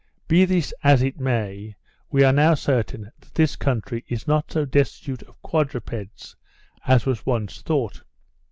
Be this as it may, we are now certain that this country is not so destitute of quadrupeds as was once thought.